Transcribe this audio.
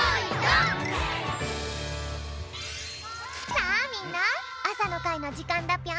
さあみんなあさのかいのじかんだぴょん。